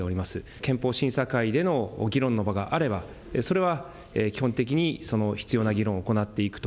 憲法審査会での議論の場があれば、それは基本的にその必要な議論を行っていくと。